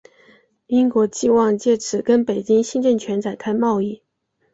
英国冀望藉此跟北京新政权展开贸易。